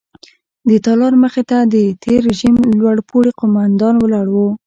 د تالار مخې ته د تېر رژیم لوړ پوړي قوماندان ولاړ وو.